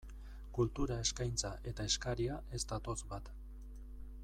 Kultura eskaintza eta eskaria ez datoz bat.